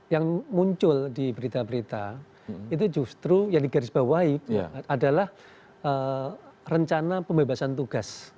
yang muncul di berita berita itu justru yang digarisbawahi adalah rencana pembebasan tugas